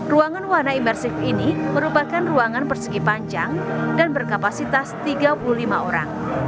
ruangan warna imersif ini merupakan ruangan persegi panjang dan berkapasitas tiga puluh lima orang